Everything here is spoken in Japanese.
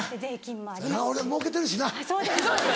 俺もうけてるしな。